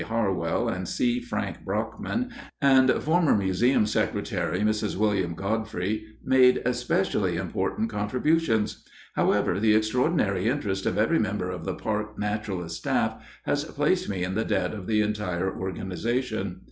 Harwell and C. Frank Brockman and former museum secretary, Mrs. William Godfrey, made especially important contributions; however, the extraordinary interest of every member of the park naturalist staff has placed me in the debt of the entire organization.